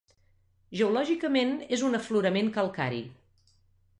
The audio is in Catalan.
Geològicament és un aflorament calcari.